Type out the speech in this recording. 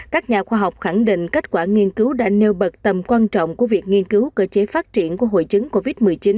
các nhà khoa học khẳng định kết quả nghiên cứu đã nêu bật tầm quan trọng của việc nghiên cứu cơ chế phát triển của hội chứng covid một mươi chín